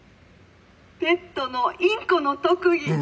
ペットのインコの特技！」。